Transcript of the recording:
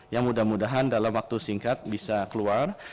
yang mudah mudahan dalam waktu singkat bisa keluar